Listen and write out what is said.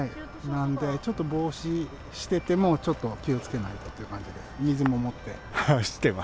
なんで、ちょっと帽子してても、ちょっと気をつけないとという感じです。